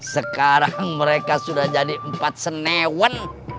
sekarang mereka sudah jadi empat senewan